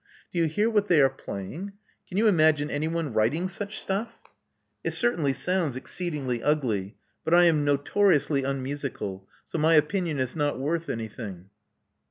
Do you hear what they are playing? Can you imagine anyone writing such stuff?" '*It certainly sounds exceedingly ugly; but I am notoriously unmusical, so my opinion is not worth anything."